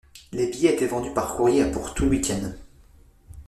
Les billets étaient vendus par courrier à pour tout le week-end.